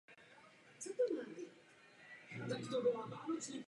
Provozuje autobusovou a trolejbusovou dopravu.